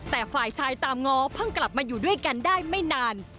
แต่ฝ่ายชายตามง้อเพิ่งกลับมาอยู่ด้วยกันได้ไม่นาน